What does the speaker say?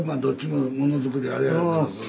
どっちもものづくりあるやろうけど。